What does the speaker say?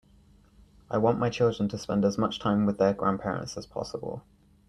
I want my children to spend as much time with their grandparents as possible.